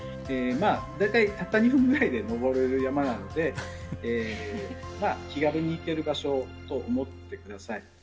大体たった２分ぐらいで登れる山なので、まあ気軽に行ける場所と思ってください。